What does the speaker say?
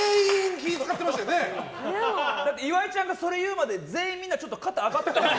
岩井ちゃんがそれ言うまで全員みんなちょっと肩、上がってたもん。